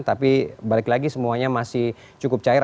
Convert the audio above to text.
tapi balik lagi semuanya masih cukup cair